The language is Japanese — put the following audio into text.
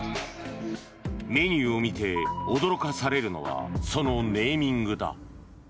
メニューを見て驚かされるのはそのネーミングだ。